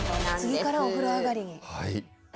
次からお風呂上りに。